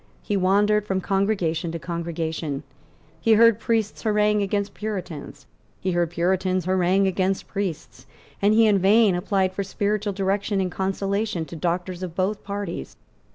He wandered from congregation to congregation; he heard priests harangue against Puritans; he heard Puritans harangue against priests; and he in vain applied for spiritual direction and consolation to doctors of both parties.